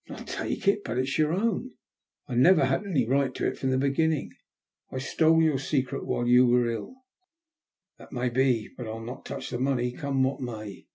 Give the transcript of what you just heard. " Not take it ? But it's your own. I never had any right to it from the beginning. I stole your secret while you were ill." •* That may be ; but I'll not touch the money, come what may."